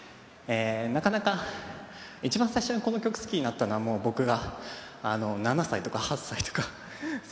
なかなか一番最初にこの曲好きになったのはもう僕が７歳とか８歳とかそれくらいなんですけど。